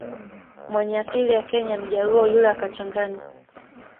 mwenye asili ya Kenya Mjaluo yule akachanganya